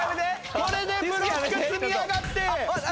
これでブロック積み上がって。